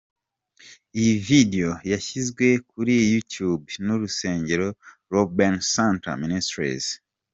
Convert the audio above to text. Iyi video yashyizwe kuri youtube n’urusengero “Rabboni Centre Ministries”.